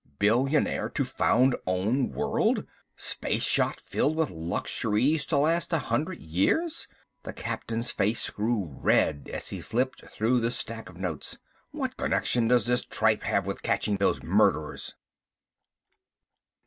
"Billionaire to found own world ... space yacht filled with luxuries to last a hundred years," the captain's face grew red as he flipped through the stack of notes. "What connection does this tripe have with catching those murderers?"